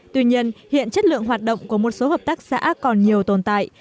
tuy nhiên hiện chất lượng hoạt động của một số hợp tác xã còn nhiều tồn tại